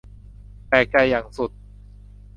แปลกใจอย่างสุด